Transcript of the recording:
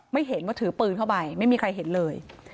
ไม่เห็นว่าถือปืนเข้าไปไม่มีใครเห็นเลย